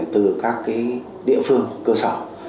từ các cái địa phương cơ sở